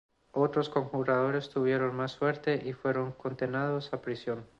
Otros conjurados tuvieron más suerte y fueron condenados a prisión.